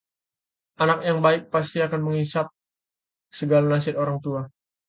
anak yang baik pasti akan menghisab segala nasihat orang tua